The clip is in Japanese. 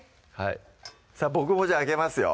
さぁボクもじゃあ開けますよ